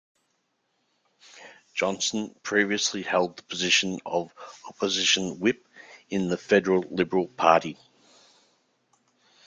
Johnson previously held the position of Opposition Whip in the Federal Liberal Party.